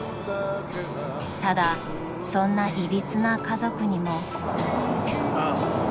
［ただそんないびつな家族にも］